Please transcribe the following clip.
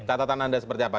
tata tata anda seperti apa